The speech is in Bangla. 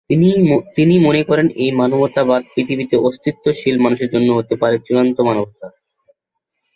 তিনি মনে করেন এই মানবতাবাদ পৃথিবীতে অস্তিত্বশীল মানুষের জন্য হতে পারে চূড়ান্ত মানবতার।